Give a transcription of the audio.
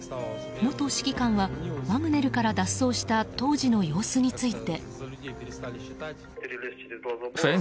元指揮官はワグネルから脱走した当時の様子について。